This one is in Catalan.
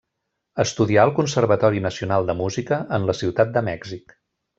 Estudià al Conservatori Nacional de Música en la ciutat de Mèxic.